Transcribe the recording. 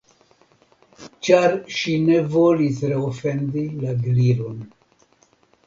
Ĉar ŝi ne volis reofendi la Gliron.